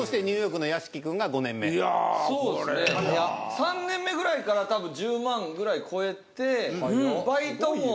３年目ぐらいから多分１０万ぐらい超えて。